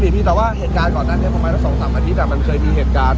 สวัสดีครับคุณผู้ชาย